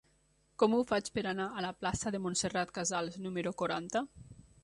Com ho faig per anar a la plaça de Montserrat Casals número quaranta?